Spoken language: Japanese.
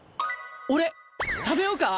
俺食べようか？